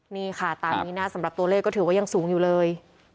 นี่ค่ะตามนี้นะสำหรับตัวเลขก็ถือว่ายังสูงอยู่เลย